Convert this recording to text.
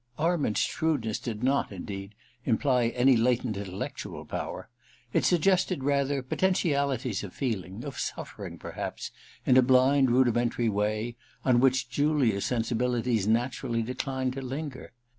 Arment's shrewdness did not, indeed, imply : any latent intellectual power ; it suggested, : rather, potentialities of feeling, of suffering, perhaps, in a blind rudimentary way, on which Julia's sensibilities naturally declined to linger.